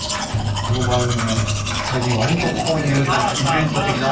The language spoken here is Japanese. この番組は最近割とこういう何かイベント的な。